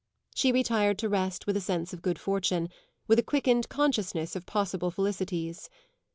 She retired to rest with a sense of good fortune, with a quickened consciousness of possible felicities.